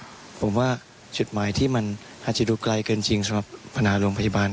ผมว่าจุดหมายที่มันอาจจะดูไกลเกินจริงสำหรับปัญหาโรงพยาบาล